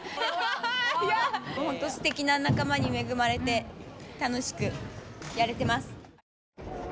すてきな仲間に恵まれて楽しくやれてます。